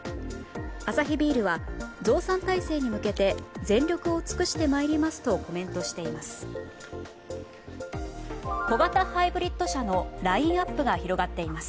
アサヒビールは増産体制に向けて全力を尽くしてまいりますとコメントしています。